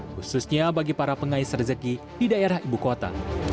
khususnya bagi para pengais rezeki di daerah ibu kota